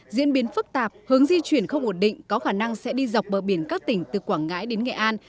diễn biến phức tạp hướng di chuyển không ổn định có khả năng sẽ đi dọc bờ biển các tỉnh từ quảng ngãi đến nghệ an